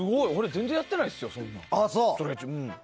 俺全然ストレッチやってないですよ。